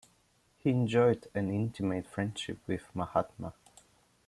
He enjoyed an intimate friendship with the Mahatma.